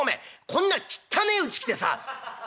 こんなきったねえうち来てさ」。